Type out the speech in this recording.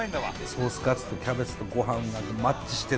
ソースカツとキャベツとご飯がマッチしてんだ。